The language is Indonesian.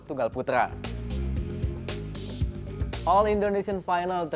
sejarah kembali tercipta dan beruntungan untuk indonesia di ajang olimpiade